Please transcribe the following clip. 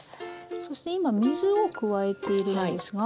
そして今水を加えているんですが。